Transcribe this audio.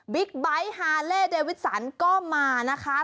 ไบท์ฮาเล่เดวิสสันก็มานะคะ